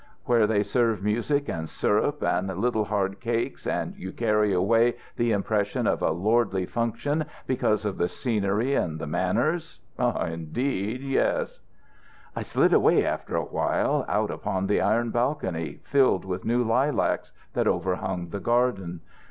"Where they serve music and syrup and little hard cakes, and you carry away the impression of a lordly function because of the scenery and the manners? Indeed yes!" "I slid away after a while, out upon the iron balcony, filled with new lilacs, that overhung the garden.